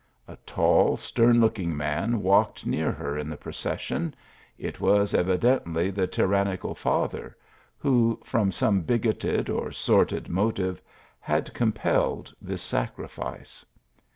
A tall stem looking man walked near her in the procession ; it was evidently the tyrannical felher, who, from some bigoted or sordid motive, had compelled this sacrifice.